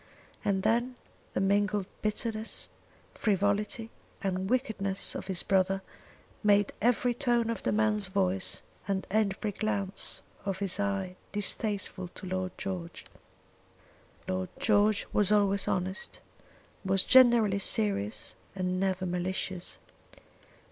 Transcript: And then the mingled bitterness, frivolity, and wickedness of his brother, made every tone of the man's voice and every glance of his eye distasteful to Lord George. Lord George was always honest, was generally serious, and never malicious.